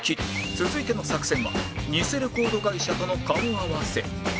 続いての作戦は偽レコード会社との顔合わせ